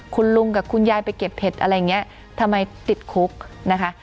คุณลุงกับคุณยายไปเก็บเห็ดอะไรอย่างนี้ทำไมติดคุกนะคะ